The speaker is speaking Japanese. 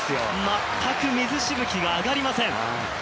全く水しぶきが上がりません。